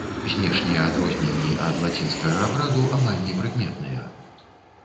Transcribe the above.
Знешнія адрозненні ад лацінскага абраду амаль непрыкметныя.